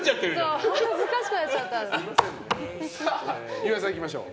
岩井さん、いきましょう。